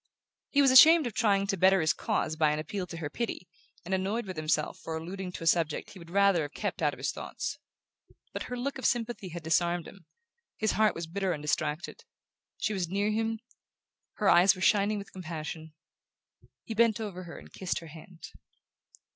He was ashamed of trying to better his case by an appeal to her pity, and annoyed with himself for alluding to a subject he would rather have kept out of his thoughts. But her look of sympathy had disarmed him; his heart was bitter and distracted; she was near him, her eyes were shining with compassion he bent over her and kissed her hand.